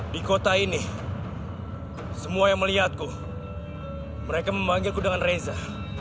di kota ini semua yang melihatku mereka memanggilku dengan reza